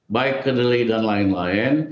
baik kedelai dan lain lain